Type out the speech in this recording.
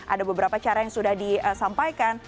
ada beberapa cara yang sudah disampaikan